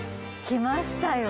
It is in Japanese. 来ましたよ。